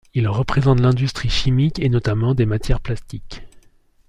Il représente l'industrie chimique et notamment des matières plastiques.